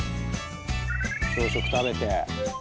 朝食食べて。